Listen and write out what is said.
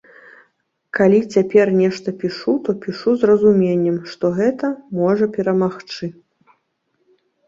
Калі цяпер нешта пішу, то пішу з разуменнем, што гэта можа перамагчы.